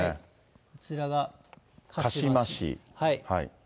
こちらが鹿嶋市。